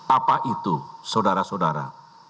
apa itu saudara saudara